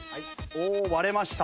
おお割れました。